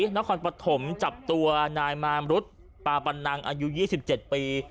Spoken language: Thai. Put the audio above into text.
นครปฐมจับตัวนายมามรุษปาปันนังอายุ๒๗ปี